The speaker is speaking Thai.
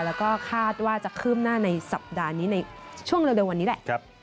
แล้วก็คาดว่าจะคืบหน้าในสัปดาห์นี้ในช่วงเร็ววันนี้แหละ